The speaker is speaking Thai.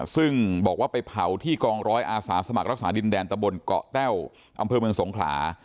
ซึ่งบอกว่าไปเผาที่กองร้อยอาสาสมัครรักษาดินแดนตะบนเกาะแต้วอำเภอเมืองสงขลา